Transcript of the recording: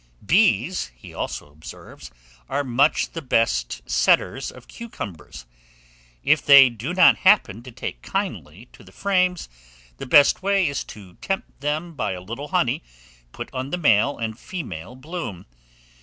Bees, he also observes, are much the best setters of cucumbers. If they do not happen to take kindly to the frames, the best way is to tempt them by a little honey put on the male and female bloom.